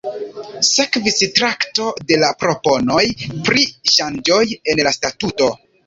Sekvis trakto de la proponoj pri ŝanĝoj en la statuto.